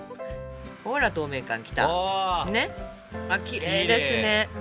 きれいですね。